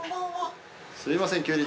すみません急に。